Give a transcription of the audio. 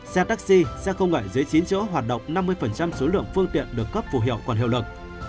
xe taxi xe không gãy dưới chín chỗ hoạt động năm mươi số lượng phương tiện được cấp phù hiệu còn hiệu lực